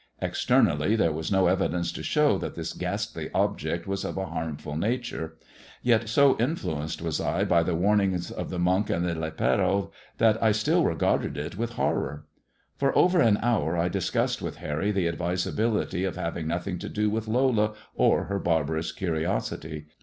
Externally there was no evidence to show that this ghastly object was of a harmful nature ; yet, so influenced was I by the warn ings of the monk and the lepero, that I still regarded it with horror. For over an hour I discussed with Harry the advisability of having nothing to do with Lola or her barbarous curiosity.